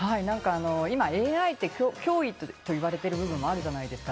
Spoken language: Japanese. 今、ＡＩって脅威と言われてる部分もあるじゃないですか。